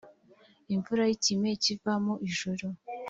imvura y ikime kiva mu ijuru